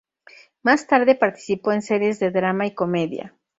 Más tarde participó en series de drama y comedia.